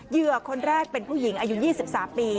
เหยื่อคนแรกเป็นผู้หญิงอายุ๒๓ปี